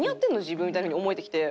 自分みたいに思えてきて。